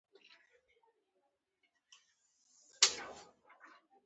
او پای ته یې رسوي.